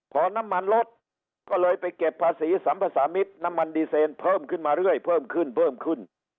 พอน้ำมันลดก็เลยไปเก็บภาษีสัมภาษามิตรน้ำมันดีเซนเพิ่มขึ้นมาเรื่อยเพิ่มขึ้นเพิ่มขึ้น